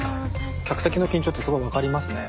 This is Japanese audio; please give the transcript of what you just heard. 客席の緊張ってすごいわかりますね